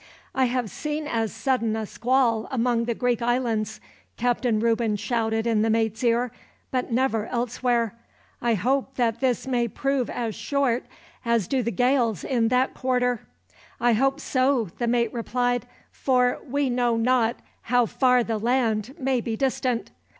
"I have seen as sudden a squall among the Greek islands," Captain Reuben shouted in the mate's ear; "but never elsewhere. I hope that this may prove as short as do the gales in that quarter." "I hope so," the mate replied, "for we know not how far the land may be distant."